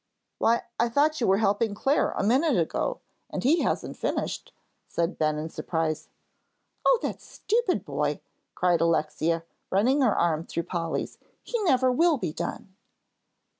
"Why, I thought you were helping Clare a minute ago, and he hasn't finished," said Ben, in surprise. "Oh, that stupid boy," cried Alexia, running her arm through Polly's, "he never will be done."